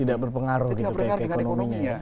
tidak berpengaruh gitu ke ekonominya